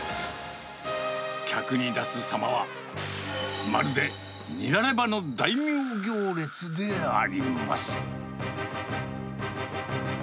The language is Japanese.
客に出すさまは、まるでニラレバの大名行列であります。